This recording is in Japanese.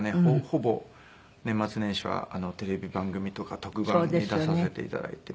ほぼ年末年始はテレビ番組とか特番に出させて頂いて。